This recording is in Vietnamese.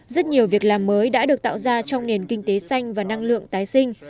rất nhiều việc làm mới đã được tạo ra trong nền kinh tế xanh và năng lượng tái sinh